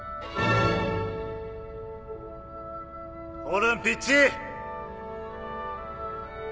ホルンピッチ！